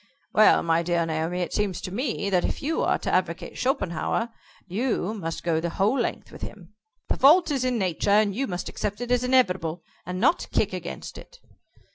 "Well, my dear Naomi, it seems to me that if you are to advocate Schopenhauer, you must go the whole length with him. The fault is in Nature, and you must accept it as inevitable, and not kick against it."